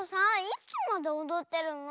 いつまでおどってるの？